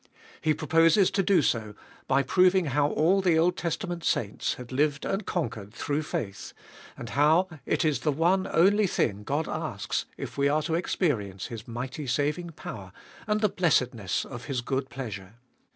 He proposes to do so by proving how all the Old Testament saints had lived and conquered through faith, and how it is the one only thing God asks if we are to experience His mighty saving power and the blessedness of His good pleasure.